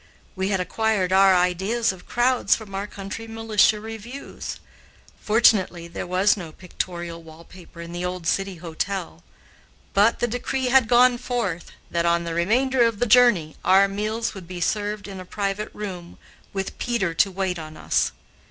We had acquired our ideas of crowds from our country militia reviews. Fortunately, there was no pictorial wall paper in the old City Hotel. But the decree had gone forth that, on the remainder of the journey, our meals would be served in a private room, with Peter to wait on us.